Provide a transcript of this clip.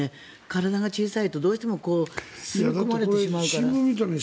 体が小さいと吸い込まれてしまうから。